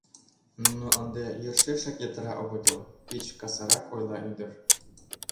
— Нуно ынде йӧршешак йытыра огытыл, — пич касырак ойла ӱдыр.